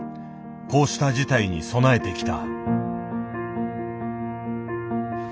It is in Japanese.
こうした事態に備えてきた。